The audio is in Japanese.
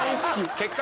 結果。